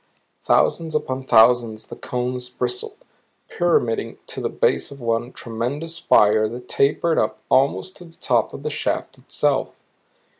Thousands upon thousands the cones bristled, pyramiding to the base of one tremendous spire that tapered up almost to the top of the shaft itself.